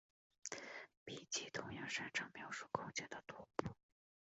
闭集同样擅长描述空间的拓扑。